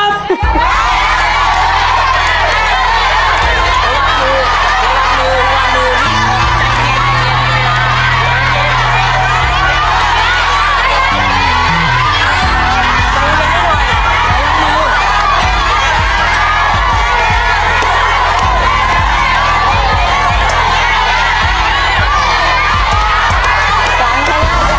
ใคร